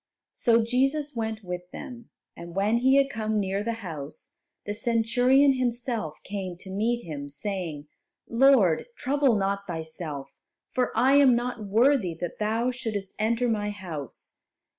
So Jesus went with them, and when He had come near the house, the Centurion himself came to meet Him, saying, "Lord, trouble not Thyself, for I am not worthy that Thou shouldest enter my house.